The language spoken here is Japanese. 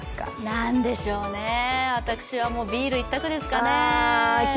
なんでしょうね、私はビール一択ですかね。